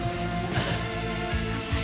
頑張れ。